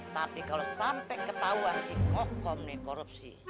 tapi kalau sampai ketahuan si kokom korupsi